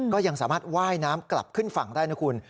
ก็ยังสามารถว่ายน้ำกลับขึ้นฝั่งได้นะคุณ